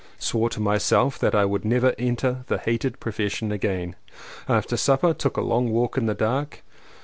Swore to myself that I would never enter the hated profession again. After supper took a long walk in the dark.